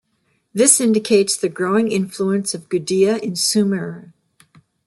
This indicates the growing influence of Gudea in Sumer.